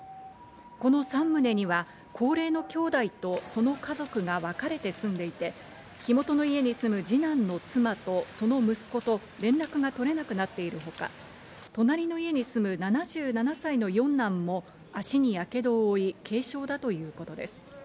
この３棟には高齢の兄弟とその家族がわかれて住んでいて、火元の家に住む二男の妻とその息子と連絡がとれなくなっているほか、隣の家に住む７７歳の四男も足にやけどを負い、軽傷だということです。